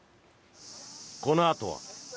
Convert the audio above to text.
このあとは。